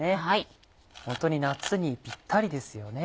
ホントに夏にぴったりですよね